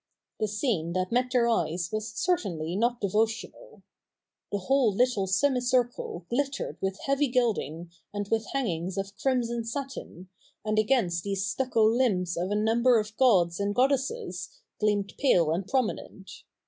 The scene that met their eyes was certainly not devotional. The whole little semicircle glittered with heavy gilding and with hangings of crimson satin, and against these the stucco limbs of a number of gods and goddesses gleamed pale and prominent.